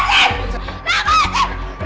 digotak dekat gitu kan dez